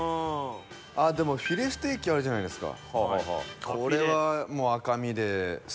でもフィレステーキあるじゃないですか。